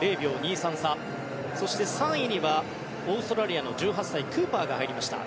そして３位にはオーストラリアの１８歳クーパーが入りました。